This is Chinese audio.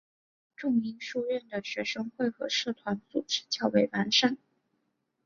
仲英书院的学生会和社团组织较为完善。